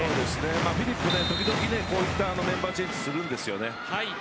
フィリップは時々こういったメンバーチェンジをするんです。